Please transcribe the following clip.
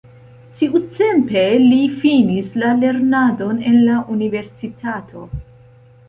Tiutempe li finis la lernadon en la universitato.